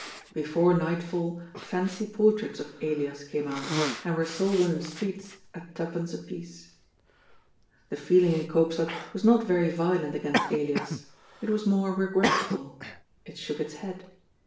Before nightfall fancy portraits of Elias came out, and were sold in the streets at twopence a piece. The feeling in Koopstad was not very violent against Elias ; it was more regretful. It shook its head.